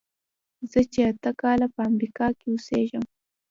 زه چې اته کاله په امریکا کې اوسېږم.